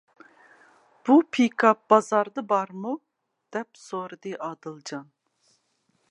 بۇ پىكاپ بازاردا بارمۇ؟ -دەپ سورىدى ئادىلجان.